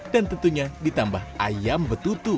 dan tentunya ditambah ayam betutu